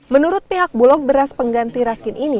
menurut pihak bulog beras pengganti raskin ini